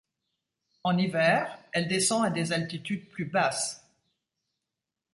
En hiver, elle descend à des altitudes plus basses.